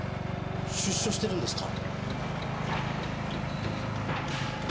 出所してるんですか？